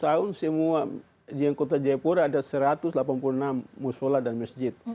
selama sepuluh tahun semua di kota jaipura ada satu ratus delapan puluh enam musola dan masjid